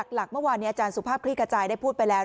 หลักเมื่อวานนี้อาจารย์สุภาพคลี่กระจายได้พูดไปแล้ว